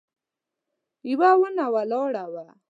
يوه ونه ولاړه وه.